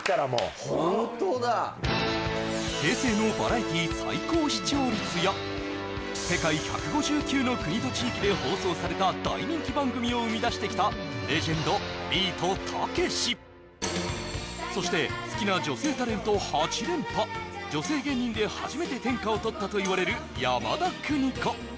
平成のバラエティ最高視聴率や世界１５９の国と地域で放送された大人気番組を生み出してきたレジェンド・ビートたけしそして好きな女性タレント８連覇女性芸人で初めて天下を取ったといわれる山田邦子